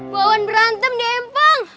wawan berantem di empang